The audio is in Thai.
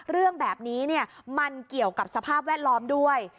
เรื่องแบบนี้มันเกี่ยวกับสภาพแวดล้อมด้วย